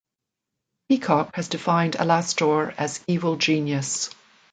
Peacock has defined Alastor as evil genius.